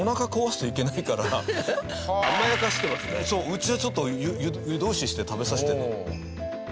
「うちはちょっと湯通しして食べさせてるの」って。